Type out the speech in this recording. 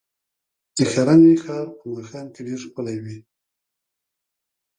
د ښرنې ښار په ماښام کې ډېر ښکلی وي.